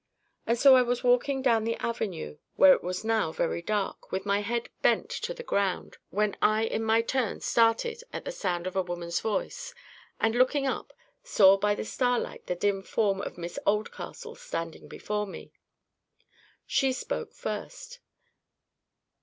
—And so I was walking down the avenue, where it was now very dark, with my head bent to the ground, when I in my turn started at the sound of a woman's voice, and looking up, saw by the starlight the dim form of Miss Oldcastle standing before me. She spoke first.